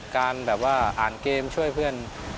การอ่านเกมช่วยเพื่อน